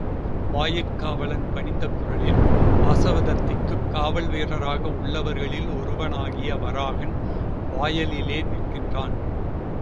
வாயிற் காவலன் பணிந்த குரலில், வாசவதத்தைக்குக் காவல்வீரராக உள்ளவர்களில் ஒருவனாகிய வராகன் வாயலிலே நிற்கிறான்.